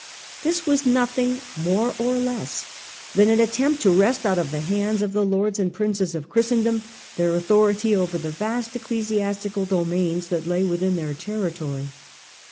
This was nothing more or less than an attempt to wrest out of the hands of the lords and princes of Christendom their authority over the vast ecclesiastical domains that lay within their territory.